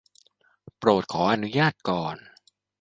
โปรดขออนุญาตก่อน